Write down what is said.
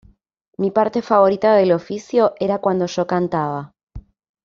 Mi parte favorita del oficio era cuando yo cantaba"".